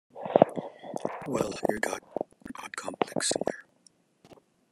Well, you've got an odd complex somewhere.